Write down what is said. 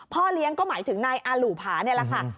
เลี้ยงก็หมายถึงนายอาหลู่ผานี่แหละค่ะ